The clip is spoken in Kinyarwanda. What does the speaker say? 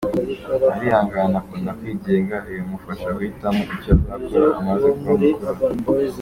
Arihangana, akunda kwigenga, ibi bimufasha guhitamo icyo azakora amaze kuba mukuru.